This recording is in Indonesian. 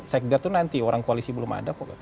saya lihat nanti orang koalisi belum ada